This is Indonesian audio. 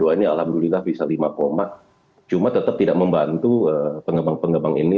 dua ribu dua puluh dua ini alhamdulillah bisa lima cuma tetap tidak membantu pengembang pengembang ini